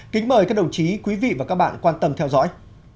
kính mời các đồng chí quý vị và các bạn quan tâm theo dõi